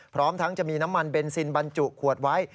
พร้อมทั้งจะมีน้ำมันเบนซินบรรจุขวดไว้